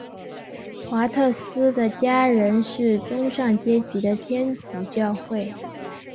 华特斯的家人是中上阶级的天主教会。